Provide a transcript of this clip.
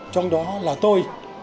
trong đó là tôi